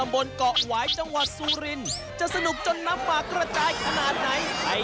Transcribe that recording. ป้าเขายังเต้นไม่ถูกใจอีกละนี่